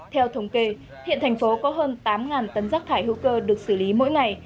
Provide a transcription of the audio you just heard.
theo thống kê hiện thành phố có hơn tám tấn rác thải hữu cơ được xử lý mỗi ngày